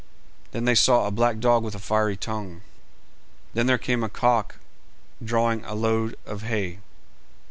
Then they saw a black dog with a fiery tongue. Then there came a cock drawing a load of hay.